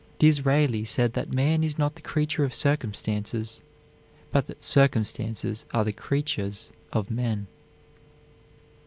Disraeli said that man is not the creature of circumstances, but that circumstances are the creatures of men.